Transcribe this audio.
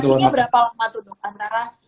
durasinya berapa lama tuh dong